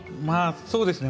そうですね。